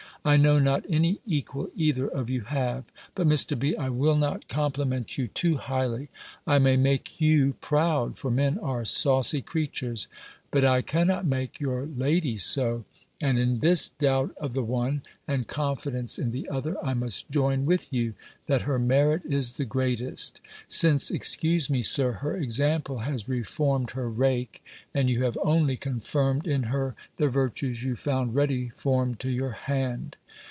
I know not any equal either of you have. But, Mr. B., I will not compliment you too highly. I may make you proud, for men are saucy creatures; but I cannot make your lady so: and in this doubt of the one, and confidence in the other, I must join with you, that her merit is the greatest. Since, excuse me, Sir, her example has reformed her rake; and you have only confirmed in her the virtues you found ready formed to your hand."